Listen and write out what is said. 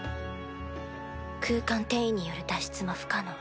空間転移による脱出も不可能。